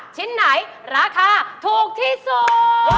ชิ้นไหนราคาถูกที่สุด